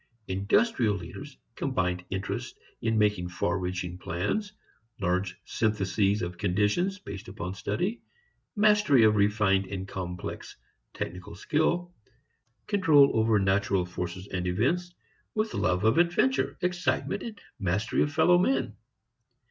Industrial leaders combine interest in making far reaching plans, large syntheses of conditions based upon study, mastery of refined and complex technical skill, control over natural forces and events, with love of adventure, excitement and mastery of fellow men.